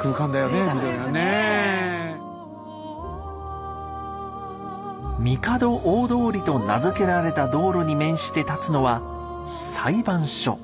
「天皇大通り」と名付けられた道路に面して建つのは裁判所。